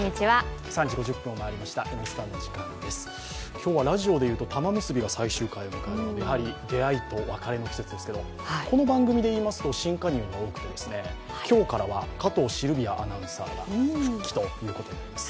今日はラジオで言うと「たまむすび」が最終回を迎えて、やはり出会いと別れの季節ですけどこの番組でいいますと新加入が多くて、今日からは加藤シルビアアナウンサーが復帰ということになります。